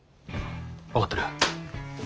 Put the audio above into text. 分かってる。